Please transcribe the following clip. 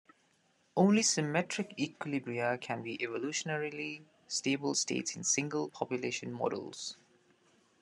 Only symmetric equilibria can be evolutionarily stable states in single population models.